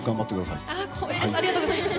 ありがとうございます。